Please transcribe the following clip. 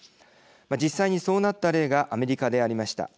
実際にそうなった例がアメリカでありました。